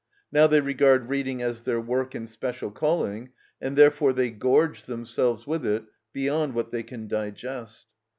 Now they regard reading as their work and special calling, and therefore they gorge themselves with it, beyond what they can digest.